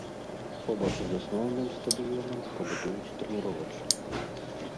Побач з асноўным стадыёнам пабудуюць трэніровачны.